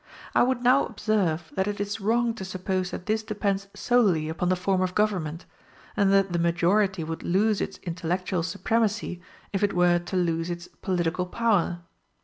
I would now observe that it is wrong to suppose that this depends solely upon the form of government, and that the majority would lose its intellectual supremacy if it were to lose its political power.